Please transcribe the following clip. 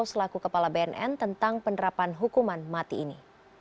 selaku kepala bnn tentang penerapan hukuman mati ini